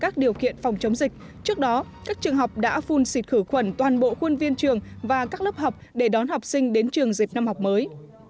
chống dịch trước đó các trường học đã phun xịt khử khuẩn toàn bộ khuôn viên trường và các lớp học để đón học sinh đến trường dịp năm học mới